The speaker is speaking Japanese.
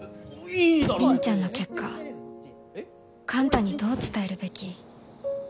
凛ちゃんの結果幹太にどう伝えるべき？